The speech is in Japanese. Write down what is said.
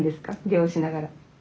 漁しながら。